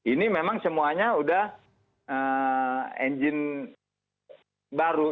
ini memang semuanya sudah engine baru